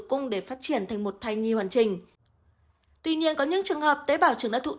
cung để phát triển thành một thai nghi hoàn chỉnh tuy nhiên có những trường hợp tế bào trứng đã